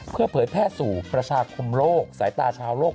เพื่อเผยแพร่สู่ประชาคมโลกสายตาชาวโลก